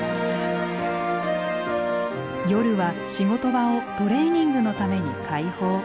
夜は仕事場をトレーニングのために開放。